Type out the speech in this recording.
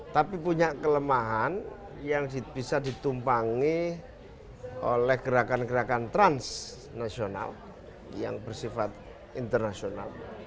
tapi punya kelemahan yang bisa ditumpangi oleh gerakan gerakan transnasional yang bersifat internasional